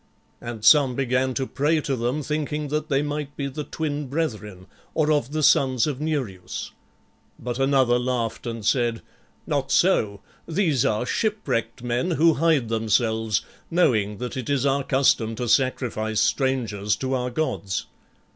And some began to pray to them, thinking that they might be the Twin Brethren or of the sons of Nereus. But another laughed and said, "Not so; these are shipwrecked men who hide themselves, knowing that it is our custom to sacrifice strangers to our gods."